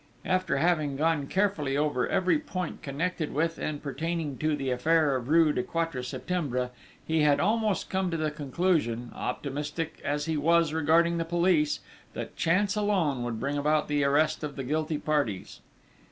After having gone carefully over every point connected with, and pertaining to, the affair of rue du Quatre Septembre, he had almost come to the conclusion, optimistic as he was regarding the police, that chance alone would bring about the arrest of the guilty parties.